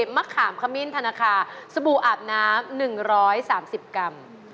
มะขามขมิ้นธนาคารสบู่อาบน้ำ๑๓๐กรัม